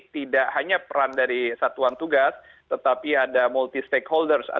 tidak hanya peran dari satuan tugas tetapi ada multi stakeholders